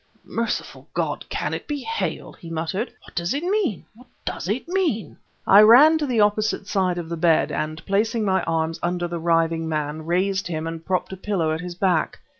"Merciful God! can it be Hale?" he muttered. "What does it mean? what does it mean?" I ran to the opposite side of the bed, and placing my arms under the writhing man, raised him and propped a pillow at his back.